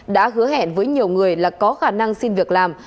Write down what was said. đã hứa hẹn với nhiều người là có khả năng xin việc làm